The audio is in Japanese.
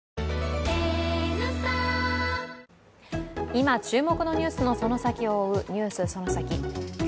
今、注目のニュースのその先を追う「ＮＥＷＳそのサキ！」